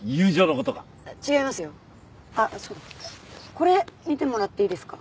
これ見てもらっていいですか？